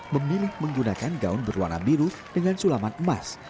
memilih menggunakan gaun berwarna biru dengan sulaman emas